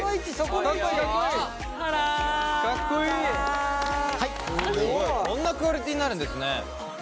こんなクオリティーになるんですね。